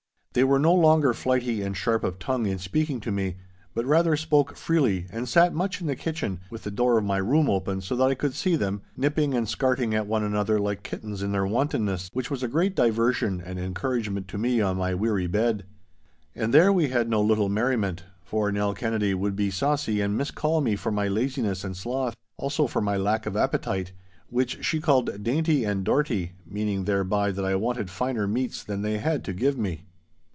They were no longer flighty and sharp of tongue in speaking to me, but rather spoke freely and sat much in the kitchen, with the door of my room open so that I could see them, nipping and scarting at one another like kittens in their wantonness, which was a great diversion and encouragement to me on my weary bed. And there we had no little merriment, for Nell Kennedy would be saucy and miscall me for my laziness and sloth—also for my lack of appetite, which she called 'dainty and dorty,' meaning thereby that I wanted finer meats than they had to give me.